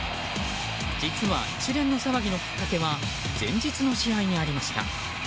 実は一連の騒ぎのきっかけは前日の試合にありました。